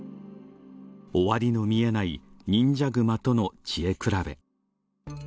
終わりの見えない忍者グマとの知恵比べ。